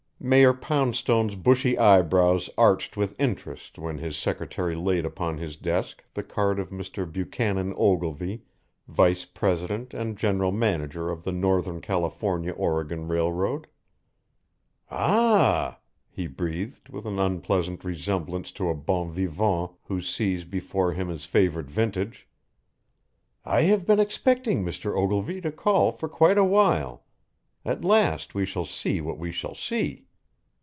Mayor Poundstone's bushy eyebrows arched with interest when his secretary laid upon his desk the card of Mr. Buchanan Ogilvy, vice president and general manager of the Northern California Oregon Railroad. "Ah h h!" he breathed with an unpleasant resemblance to a bon vivant who sees before him his favourite vintage. "I have been expecting Mr. Ogilvy to call for quite a while. At last we shall see what we shall see.